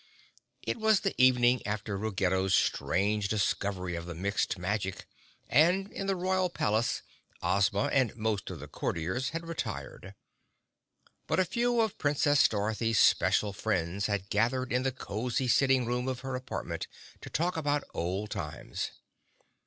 It was the evening after Ruggedo's strange discovery of the mixed magic and in the royal palace Ozma and most of the Courtiers had retired. But a few of Princess Dorothy's special friends had gathered in the cozy sitting room of her apartment to talk about old times.